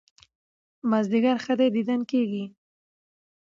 مازيګر ښه دى ديدن کېږي